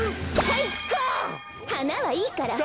はなはいいから。